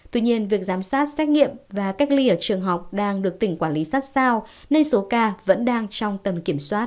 tuy nhiên việc giám sát xét nghiệm và cách ly ở trường học đang được tỉnh quản lý sát sao nên số ca vẫn đang trong tầm kiểm soát